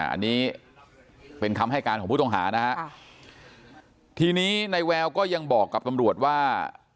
อันนี้เป็นคำให้การของผู้ต้องหานะฮะทีนี้ในแววก็ยังบอกกับตำรวจว่า